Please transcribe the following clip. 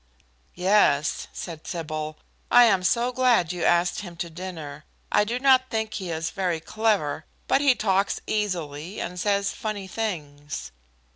"Yes," said Sybil. "I am so glad you asked him to dinner. I do not think he is very clever, but he talks easily, and says funny things."